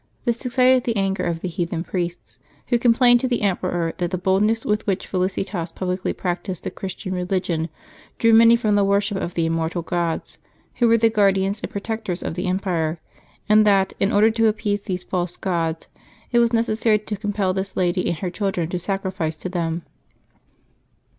This excited the anger of the heathen priests, who complained to the emperor that the boldness with which Felicitas publicly practised the Christian religion drew many from the worship of the immortal gods, who were the guardians and protectors of the empire, and that, in order to appease these false gods, it was necessary to com pel this lady and her children to sacrifice to them.